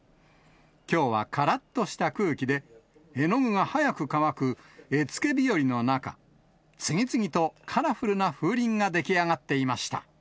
きょうはからっとした空気で、絵の具が早く乾く、絵付け日和の中、次々とカラフルな風鈴が出来上がっていました。